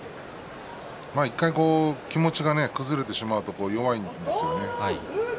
１回、気持ちが崩れてしまうと弱いんですよね。